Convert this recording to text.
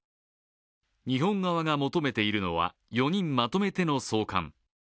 日本側が求めているのは４人まとめての送還。